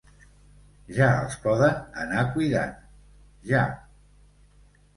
Ja els poden anar cuidant, ja!